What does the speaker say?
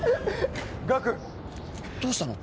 ガクどうしたの？